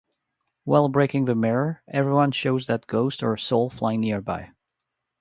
While breaking the mirror everyone shows that ghost or soul flying nearby.